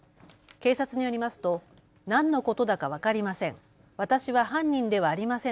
警察によりますと何のことだか分かりません。